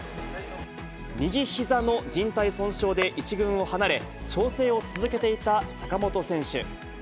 右ひざのじん帯損傷で１軍を離れ、調整を続けていた坂本選手。